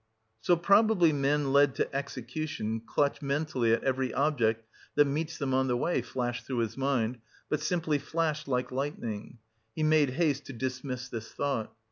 "So probably men led to execution clutch mentally at every object that meets them on the way," flashed through his mind, but simply flashed, like lightning; he made haste to dismiss this thought....